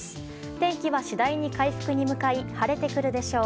天気は、次第に回復に向かい晴れてくるでしょう。